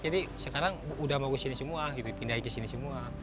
jadi sekarang udah mau kesini semua pindahin kesini semua